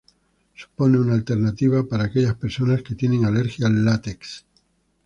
Supone una alternativa para aquellas personas que tienen alergia al látex.